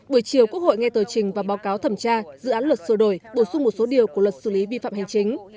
buổi chiều quốc hội nghe tờ trình và báo cáo thẩm tra dự án luật sửa đổi bổ sung một số điều của luật xử lý vi phạm hành chính